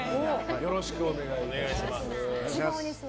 よろしくお願いします。